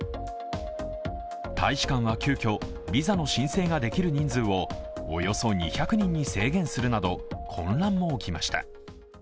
大使館は急きょ、ビザの申請ができる人数をおよそ２００人に制限するなど混乱も起きました。